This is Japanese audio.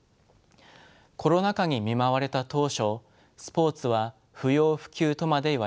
コロナ禍に見舞われた当初スポーツは不要不急とまで言われました。